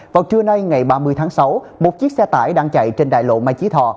vào trưa nay ngày ba mươi tháng sáu một chiếc xe tải đang chạy trên đại lộ mai chí thọ